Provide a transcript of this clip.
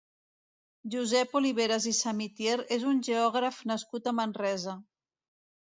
Josep Oliveras i Samitier és un geògraf nascut a Manresa.